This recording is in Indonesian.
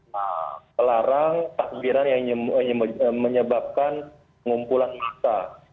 melarang takdiran yang menyebabkan pengumpulan masa